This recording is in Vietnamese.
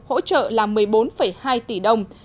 hỗ trợ là một mươi bốn hai tỷ đồng